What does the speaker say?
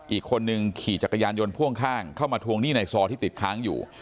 อีกคนนึงขี่จักรยานยนต์พ่วงข้างเข้ามาทวงหนี้ในซอที่ติดค้างอยู่